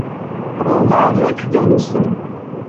ڕۆمانێک دەنووسم.